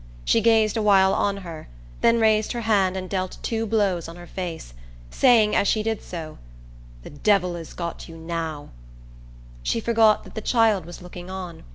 She gazed a while on her, then raised her hand and dealt two blows on her face, saying, as she did so, "The devil is got you now!" She forgot that the child was looking on.